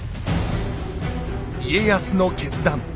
家康の決断。